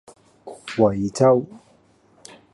惠州